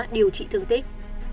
điều trị thương tích